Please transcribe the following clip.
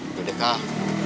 udah deh kak